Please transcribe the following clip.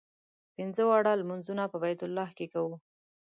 پنځه واړه لمونځونه په بیت الله کې کوو.